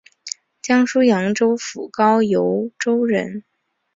江苏扬州府高邮州人。